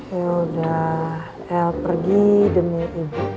ya udah l pergi demi ibu